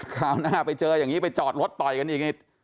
คราวหน้าไปเจออย่างนี้ไปจอดรถต่อยกันอีก